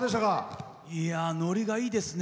ノリがいいですね。